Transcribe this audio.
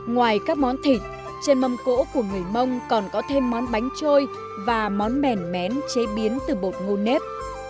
ngoài các món thịt trên mâm cỗ của người mông còn có thêm món bánh trôi và món mẻ mén chế biến từ bột ngô nếp